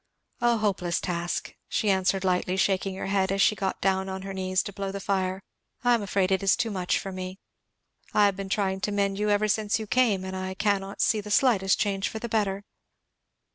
"A hopeless task!" she answered lightly, shaking her head, as she got down on her knees to blow the fire; "I am afraid it is too much for me. I have been trying to mend you ever since you came, and I cannot see the slightest change for the better!"